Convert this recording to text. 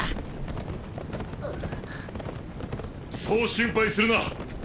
そう心配するな。